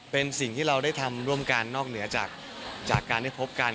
เป็นสิ่งที่เราได้ทำร่วมกันนอกเหนือจากการได้พบกัน